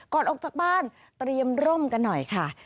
ออกจากบ้านเตรียมร่มกันหน่อยค่ะ